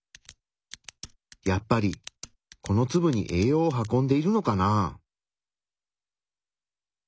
やっぱりこのツブに栄養を運んでいるのかな？